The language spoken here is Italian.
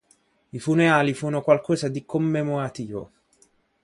I funerali furono qualcosa di commemorativo.